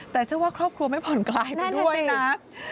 แต่เชื่อว่าครอบครัวไม่ผ่อนคลายไปด้วยนะ